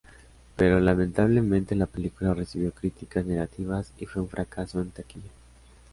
Pero lamentablemente la película recibió críticas negativas y fue un fracaso en taquilla.